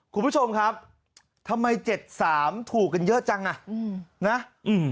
คุณผู้ชมครับทำไมเจ็ดสามถูกกันเยอะจังอ่ะอืมนะอืม